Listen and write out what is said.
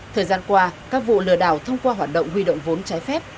thời gian qua các vụ lừa đảo thông qua hoạt động huy động vốn trái phép